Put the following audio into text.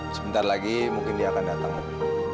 sebentar lagi mungkin dia akan datang lagi